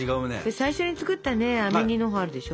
最初に作ったあめ煮のほうあるでしょ？